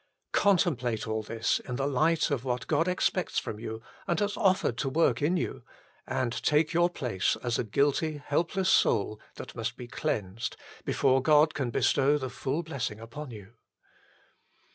Contemplate all this in the light of what God expects from you and has offered to work in you, and take your place as a guilty, helpless soul that must be cleansed before God can bestow the full blessing upon you.